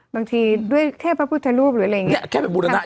บางทีด้วยแค่แภพพุธรูปหรืออะไรแบบนี้